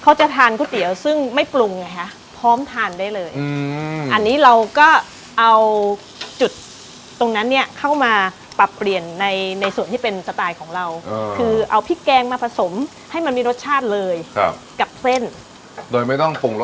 เขาจะทานก๋วยเตี๋ยวซึ่งไม่ปรุงไงฮะพร้อมทานได้เลยอืมอันนี้เราก็เอาจุดตรงนั้นเนี่ยเข้ามาปรับเปลี่ยนในในส่วนที่เป็นสไตล์ของเราคือเอาพริกแกงมาผสมให้มันมีรสชาติเลยครับกับเส้นโดยไม่ต้องปรุงรส